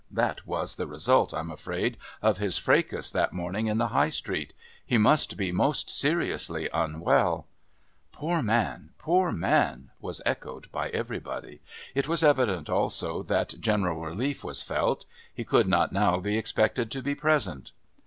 That was the result, I'm afraid, of his fracas that morning in the High Street; he must be most seriously unwell." "Poor man, poor man!" was echoed by everybody; it was evident also that general relief was felt. He could not now be expected to be present.